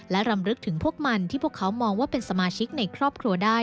และรำลึกถึงพวกมันที่พวกเขามองว่าเป็นสมาชิกในครอบครัวได้